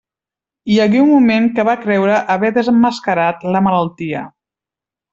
Hi hagué un moment que va creure haver desemmascarat la malaltia.